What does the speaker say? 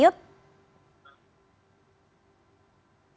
selamat sore bang ferry